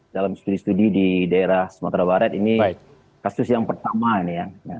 dalam studi studi di daerah sumatera barat ini kasus yang pertama ini ya